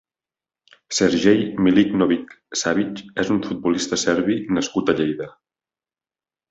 Sergej Milinković-Savić és un futbolista serbi nascut a Lleida.